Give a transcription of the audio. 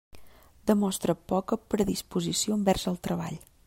Demostra poca predisposició envers el treball.